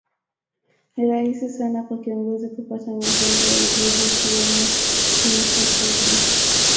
Ni rahisi sana kwa ngozi kupata magonjwa ya ngozi ikiwemo chunusi sugu